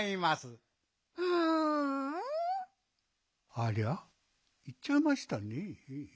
ありゃいっちゃいましたね。